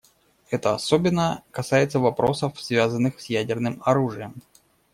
Это особенно касается вопросов, связанных с ядерным оружием.